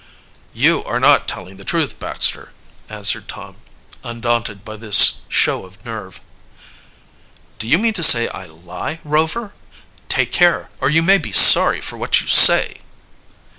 "You are not telling the truth, Baxter," answered Tom, undaunted by this show of nerve. "Do you mean to say I lie, Rover? Take care, or you may be sorry for what you say!"